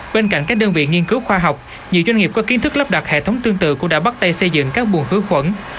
bên cạnh các đơn vị nghiên cứu khoa học nhiều doanh nghiệp có kiến thức lắp đặt hệ thống tương tự cũng đã bắt tay xây dựng các buồn khử khuẩn